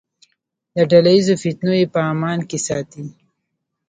له ډله ییزو فتنو یې په امان کې ساتي.